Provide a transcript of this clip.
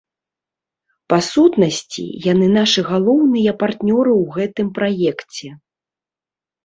Па сутнасці, яны нашы галоўныя партнёры ў гэтым праекце.